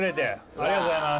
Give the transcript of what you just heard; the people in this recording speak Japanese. ありがとうございます。